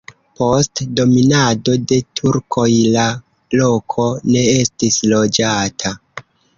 Post dominado de turkoj la loko ne estis loĝata.